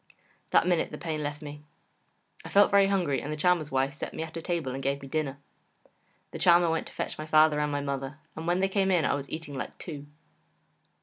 That minute the pain left me. I felt very hungry, and the Charmer's wife set me at a table and gave me dinner. The Charmer went to fetch my father and my mother, and when they came in I was eating like two.